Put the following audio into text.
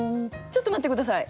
ちょっと待って下さい！